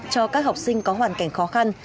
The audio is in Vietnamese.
cho các học sinh có hoàn cảnh khó khăn